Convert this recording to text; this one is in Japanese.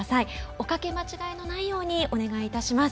おかけ間違いのないようにお願いいたします。